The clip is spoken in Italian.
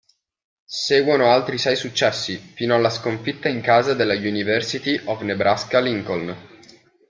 Seguono altri sei successi, fino alla sconfitta in casa della University of Nebraska-Lincoln.